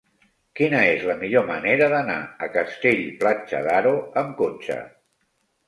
Quina és la millor manera d'anar a Castell-Platja d'Aro amb cotxe?